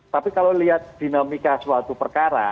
tapi kalau lihat dinamika suatu perkara